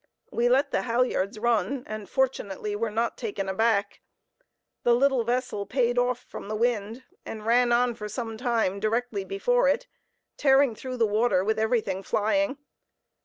We let the halyards run, and fortunately were not taken aback. The little vessel "paid off" from the wind, and ran on for some time directly before it, tearing through the water with everything flying.